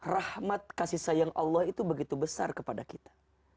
rahmat kasih sayang allah itu begitu besar kepada kita